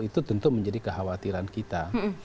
itu tentu menjadi kekhawatiran kita